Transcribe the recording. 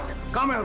macam orang lain